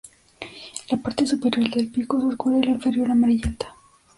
La parte superior del pico es oscura y la inferior amarillenta.